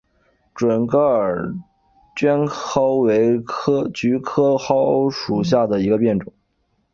准噶尔绢蒿为菊科绢蒿属下的一个变种。